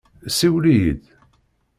Siwel-iyi-d!